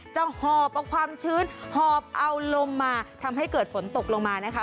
หอบเอาความชื้นหอบเอาลมมาทำให้เกิดฝนตกลงมานะคะ